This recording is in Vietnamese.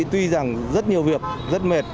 tuy rằng rất nhiều việc rất mệt